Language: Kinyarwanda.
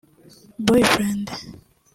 Boy Friend